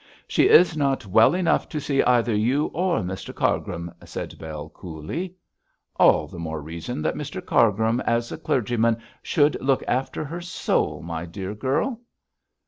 'She is not well enough to see either you or Mr Cargrim,' said Bell, coolly. 'All the more reason that Mr Cargrim, as a clergyman, should look after her soul, my good girl.'